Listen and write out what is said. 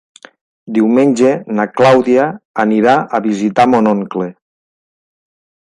Diumenge na Clàudia anirà a visitar mon oncle.